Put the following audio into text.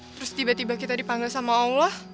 terus tiba tiba kita dipanggil sama allah